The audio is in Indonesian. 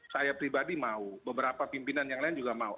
saya pribadi mau beberapa pimpinan yang lain juga mau